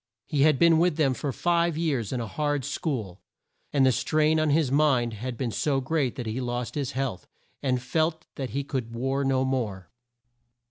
He had been with them for five years in a hard school, and the strain on his mind had been so great that he lost his health, and felt that he could war no more.